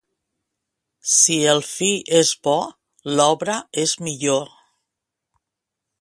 Si el fi és bo, l'obra és millor.